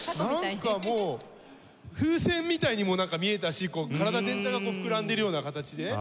なんかもう風船みたいにもなんか見えたし体全体が膨らんでるような形で。